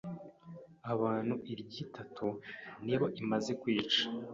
abantu iryitatu nibo imaze kwica